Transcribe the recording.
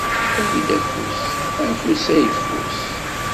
Awi-d afus, afus ayffus.